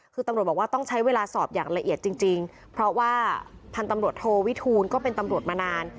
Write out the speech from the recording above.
คือตำรวจบอกว่าต้องใช้เวลาสอบอย่างละเอียดจริงเพราะว่าพันธุ์ตำรวจโทวิทูลก็เป็นตำรวจมานาน